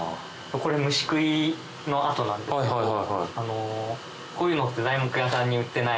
これ虫食いの跡なんですけど。